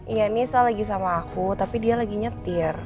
iya nisa lagi sama aku tapi dia lagi nyetir